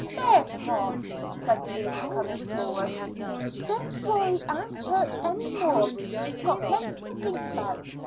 "There, Tom!" said Susy, coming forward. "Don't worry Aunt Church any more. She's got plenty to think about.